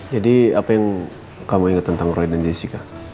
jadi apa yang kamu inget tentang roy dan jessica